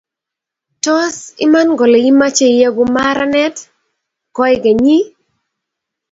Tos iman kole imache ieku meranet koikeny ii?